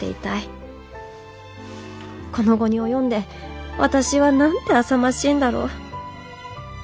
この期に及んで私はなんてあさましいんだろう